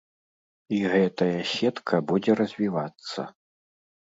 І гэтая сетка будзе развівацца.